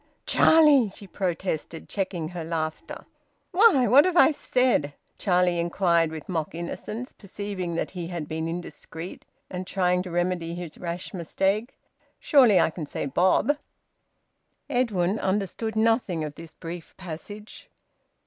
"Charlie!" she protested, checking her laughter. "Why! What have I said?" Charlie inquired, with mock innocence, perceiving that he had been indiscreet, and trying to remedy his rash mistake. "Surely I can say `bob'!" Edwin understood nothing of this brief passage.